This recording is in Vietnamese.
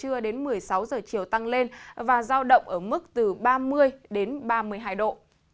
mức nhiệt trong khoảng từ một mươi sáu giờ chiều tăng lên và giao động ở mức từ ba mươi đến ba mươi hai độ